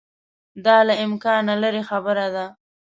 دا له امکانه لیري خبره ده.